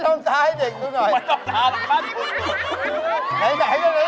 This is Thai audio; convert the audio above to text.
แล้วแป๊ง๓แบบนี้แป๊กแบบไหน